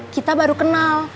kita baru kenal